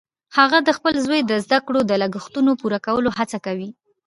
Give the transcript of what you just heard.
هغه د خپل زوی د زده کړې د لګښتونو پوره کولو هڅه کوي